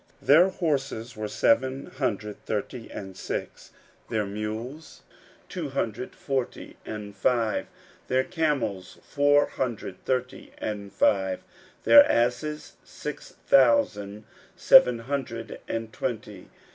16:007:068 Their horses, seven hundred thirty and six: their mules, two hundred forty and five: 16:007:069 Their camels, four hundred thirty and five: six thousand seven hundred and twenty asses.